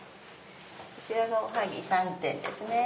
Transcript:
こちらがおはぎ３点ですね。